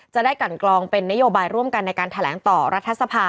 จะได้กันกรองเป็นนโยบายร่วมกันในการแถลงต่อรัฐสภา